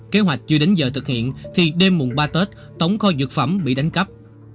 kế hoạch chưa đến giờ thực hiện thì đêm mùng ba tết tổng kho dược phẩm bị đánh cắp